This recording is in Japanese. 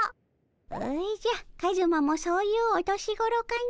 おじゃカズマもそういうお年頃かの。